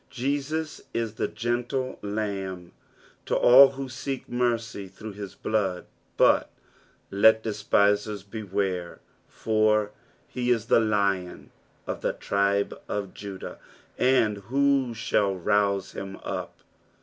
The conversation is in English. Jesus is the gentle Lamb to all who seek mercy through his blood ; but let despisere beware, for he is the Lion of the tribe of Judah, and " who shall rouse him up